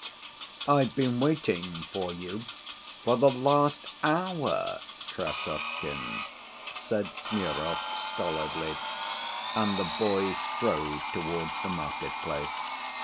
"I've been waiting for you for the last hour, Krassotkin," said Smurov stolidly, and the boys strode towards the market‐place.